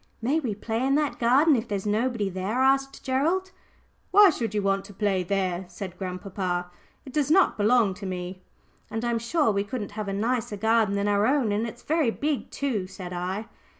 "May we play in that garden if there's nobody there?" asked Gerald. "Why should you want to play there?" said grandpapa. "It does not belong to me." "And I'm sure we couldn't have a nicer garden than our own, and it's very big too," said I.